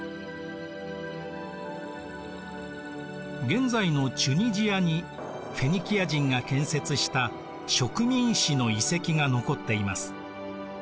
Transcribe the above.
現在のチュニジアにフェニキア人が建設した植民市の遺跡が残っています。